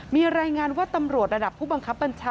มีรายงานว่าตำรวจระดับผู้บังคับบัญชา